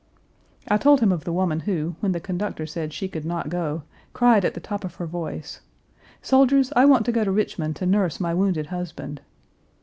I told him of the woman who, when the conductor said she could not go, cried at the top of her voice, "Soldiers, I want to go to Richmond to nurse my wounded husband."